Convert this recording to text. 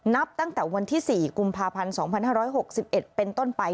นับตั้งแต่วันที่๔กุมภาพันธ์๒๕๖๑เป็นต้นไป